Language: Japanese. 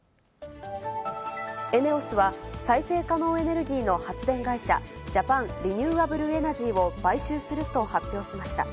ＥＮＥＯＳは再生可能エネルギーの発電会社、ジャパン・リニューアブル・エナジーを買収すると発表しました。